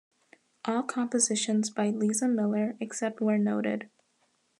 All compositions by Lisa Miller except where noted.